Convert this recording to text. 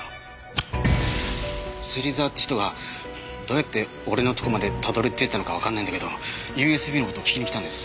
芹沢って人がどうやって俺のとこまでたどり着いたのかわかんないんだけどＵＳＢの事を聞きに来たんです。